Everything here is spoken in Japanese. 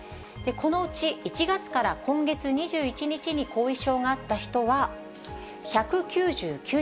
このうち１月から今月２１日に後遺症があった人は１９９人。